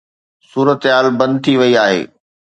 صورتحال بند ٿي وئي آهي.